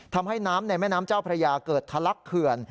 ทำให้น้ำในแม่น้ำเจ้าพระยาเกิดทะลักเขื่อน